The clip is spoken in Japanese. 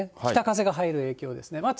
北風が入る影響ですね。